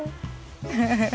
ウフフフ。